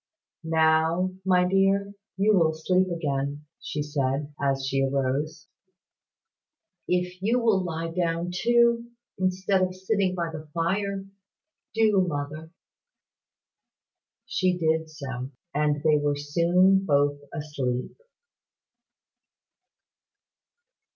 "Now, my dear, you will sleep again," she said, as she arose. "If you will lie down too, instead of sitting by the fire. Do, mother." She did so; and they were soon both asleep.